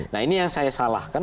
nah ini yang saya salahkan